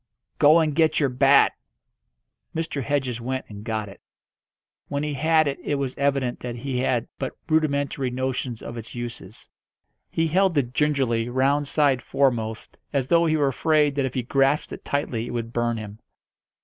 "Go and get your bat!" Mr. Hedges went and got it. When he had it it was evident that he had but rudimentary notions of its uses. He held it gingerly, round side foremost, as though he were afraid that if he grasped it tightly it would burn him.